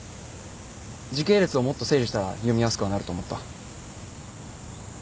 時系列をもっと整理したら読みやすくはなると思った。